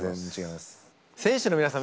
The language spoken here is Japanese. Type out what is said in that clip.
選手の皆さん